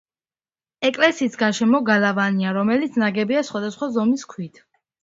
ეკლესიის გარშემო გალავანია, რომელიც ნაგებია სხვადასხვა ზომის ქვით.